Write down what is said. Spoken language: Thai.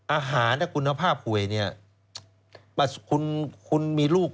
อาหารกุณภาพโหวะเนี๊ยแบบคุณมีลูก